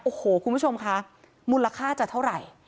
โอ้โหคุณผู้ชมคะมูลค่าจะเท่าไหร่